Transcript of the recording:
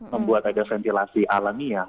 membuat ada ventilasi alamiah